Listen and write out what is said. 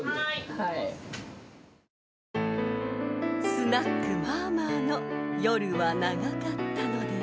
［スナックまーまーの夜は長かったのです］